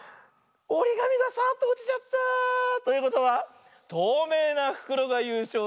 おりがみがサーッとおちちゃった。ということはとうめいなふくろがゆうしょうです。